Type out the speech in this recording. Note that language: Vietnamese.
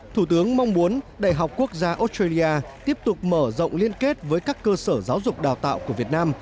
thủ tướng mong muốn đại học quốc gia australia tiếp tục mở rộng liên kết với các cơ sở giáo dục đào tạo của việt nam